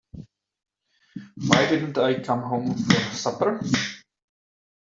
Why didn't I come home for supper?